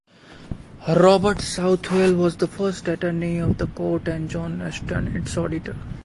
Robert Southwell was at first Attorney of the Court and John Ashton its Auditor.